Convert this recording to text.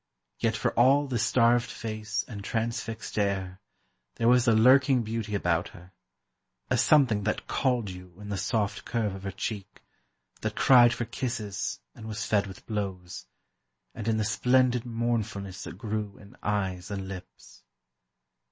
yet for all the starved face and transfixed air, there was a lurking beauty about her, a something that called you in the soft curve of her cheek, that cried for kisses and was fed with blows, and in the splendid mournfulness that grew in eyes and lips.